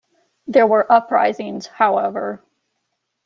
There were uprisings, however.